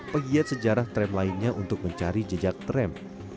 pegiat sejarah tram lainnya untuk mencari jejak tram